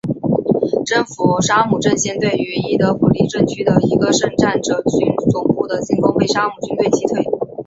征服沙姆阵线对伊德利卜省郊区一处圣战者军总部的进攻被沙姆军团击退。